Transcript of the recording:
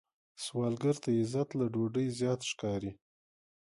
سوالګر ته عزت له ډوډۍ زیات ښکاري